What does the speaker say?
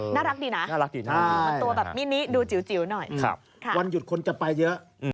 น่ารักดีนะตัวแบบมินิดูจิ๋วหน่อยครับวันหยุดคนจะไปเยอะ